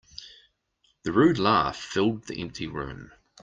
The rude laugh filled the empty room.